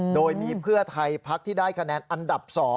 โดยมีเพื่อไทยพักที่ได้คะแนนอันดับ๒